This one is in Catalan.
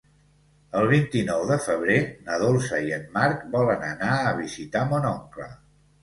El vint-i-nou de febrer na Dolça i en Marc volen anar a visitar mon oncle.